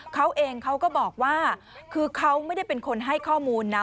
เขาเองเขาก็บอกว่าคือเขาไม่ได้เป็นคนให้ข้อมูลนะ